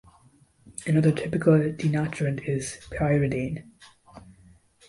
Another typical denaturant is pyridine.